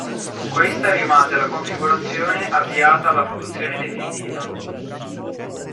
Questa rimase la configurazione avviata alla produzione definitiva.